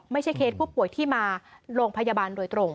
เคสผู้ป่วยที่มาโรงพยาบาลโดยตรง